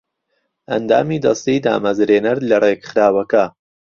ئەندامی دەستەی دامەزرێنەر لە ڕێکخراوەکە